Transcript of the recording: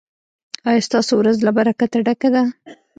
ایا ستاسو ورځ له برکته ډکه ده؟